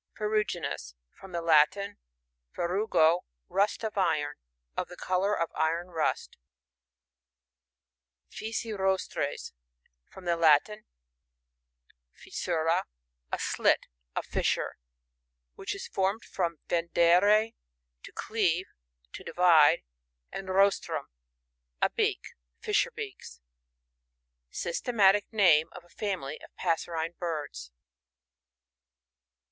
Ferruginous.— From the Latin, fer* rugOt rust of iron. Of the colour of iron rust Fissirostres. — From the Latin, Jis 9ura^ a slit, a fissure, which is formed from fender e^ to cleave, to divide, and rostrum^ a beak. {Fissure beaks.) Systematic name of a family of passerine birds.